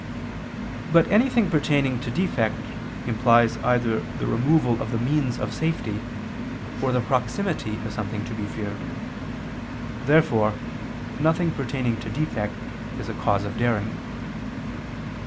But anything pertaining to defect implies either the removal of the means of safety, or the proximity of something to be feared. Therefore nothing pertaining to defect is a cause of daring.